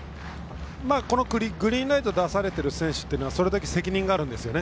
グリーンライトを出されている選手というのはそれだけ責任があるんですよね。